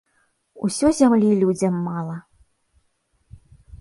Усё зямлі людзям мала.